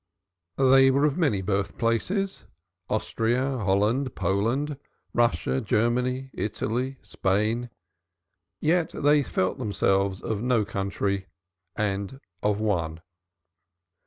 They were of many birthplaces Austria, Holland, Poland, Russia, Germany, Italy, Spain yet felt themselves of no country and of one.